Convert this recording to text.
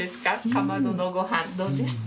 かまどのごはんどうですか？